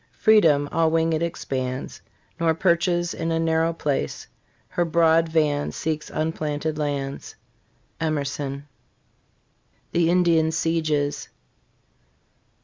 Freedom all winged expands, Nor perches in a narrow place; Her broad van seeks unplanted lands. Emerson. THE INDIAN SIEGES.